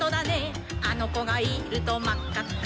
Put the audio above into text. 「あのこがいるとまっかっか」